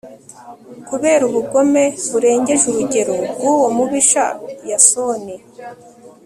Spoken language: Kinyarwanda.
kubera ubugome burengeje urugero bw'uwo mubisha yasoni